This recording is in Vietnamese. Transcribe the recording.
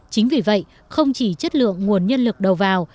chính vì vậy không chỉ chất lượng nguồn nhân lực đầu vào